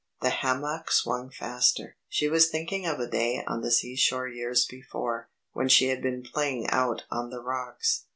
The hammock swung faster. She was thinking of a day on the seashore years before, when she had been playing out on the rocks.